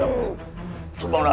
sampai jumpa raka